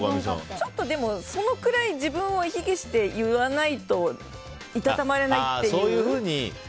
ちょっと、そのくらい自分を卑下して言わないといたたまれないっていう？